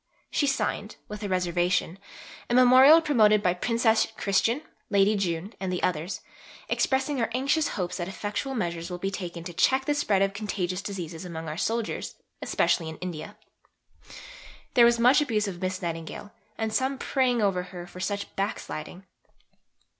She signed, with a reservation, a memorial promoted by Princess Christian, Lady Jeune, and others, "expressing our anxious hope that effectual measures will be taken to check the spread of contagious diseases among our soldiers, especially in India." There was much abuse of Miss Nightingale, and some praying over her for such "backsliding."